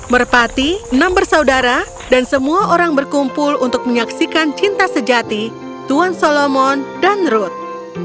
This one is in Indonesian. merpati enam bersaudara dan semua orang berkumpul untuk menyaksikan cinta sejati tuan solomon dan ruth